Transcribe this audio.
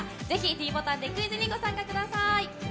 ぜひｄボタンでクイズにご参加ください。